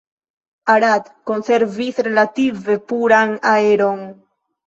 Arad konservis relative puran aeron.